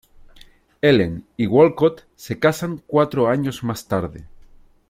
Ellen y Walcott se casan cuatro años más tarde.